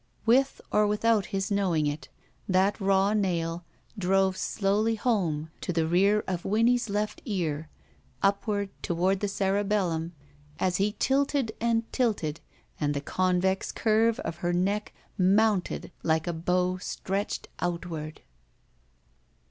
With or without his knowing it, that raw nail drove slowly home to the rear of Winnie's left ear, upward toward the cerebellum as he tilted and tilted, and the convex curve of her neck mounted like a bow stretched outward.